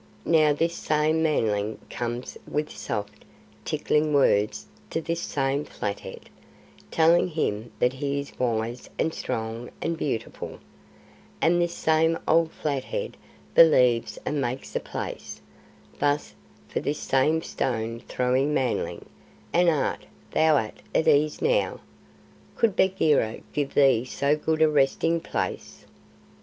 "Now this same Manling comes with soft, tickling words to this same Flathead, telling him that he is wise and strong and beautiful, and this same old Flathead believes and makes a place, thus, for this same stone throwing Manling, and Art thou at ease now? Could Bagheera give thee so good a resting place?"